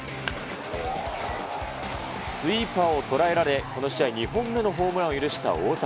スイーパーを捉えられ、この試合、２本目のホームランを許した大谷。